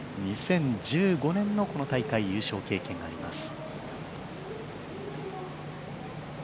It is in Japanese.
２０１５年のこの大会、優勝経験があります。